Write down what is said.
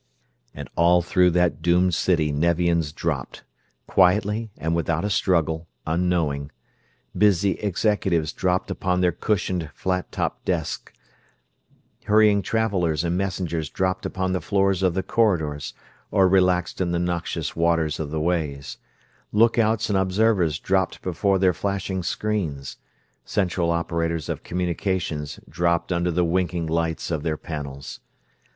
And all throughout that doomed city Nevians dropped; quietly and without a struggle, unknowing. Busy executives dropped upon their cushioned, flat topped desks; hurrying travelers and messengers dropped upon the floors of the corridors or relaxed in the noxious waters of the ways; lookouts and observers dropped before their flashing screens; central operators of communications dropped under the winking lights of their panels.